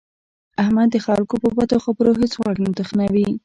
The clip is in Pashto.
احمد د خلکو په بدو خبرو هېڅ غوږ نه تخنوي.